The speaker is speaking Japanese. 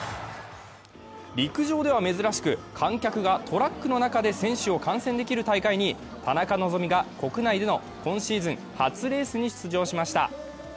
陸上では珍しく、観客がトラック中で選手を観戦できる大会に田中希実が国内での今シーズン初レースに出場しました。